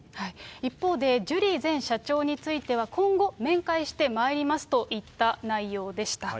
一方で、ジュリー前社長については、今後、面会してまいりますといった内容でした。